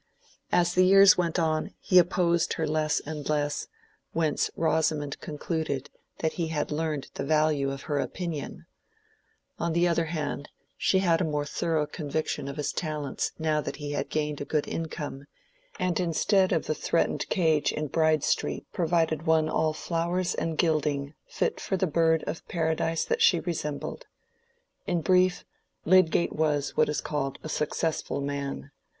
As the years went on he opposed her less and less, whence Rosamond concluded that he had learned the value of her opinion; on the other hand, she had a more thorough conviction of his talents now that he gained a good income, and instead of the threatened cage in Bride Street provided one all flowers and gilding, fit for the bird of paradise that she resembled. In brief, Lydgate was what is called a successful man.